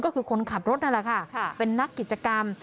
ก็คือคนขับรถนั่นแหละค่ะเป็นนักกิจกรรม